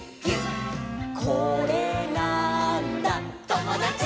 「これなーんだ『ともだち！』」